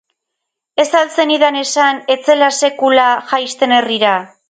Ez al zenidan esan ez zela sekula jaisten herrira?